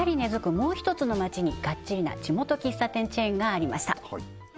もう一つの街にがっちりな地元喫茶店チェーンがありました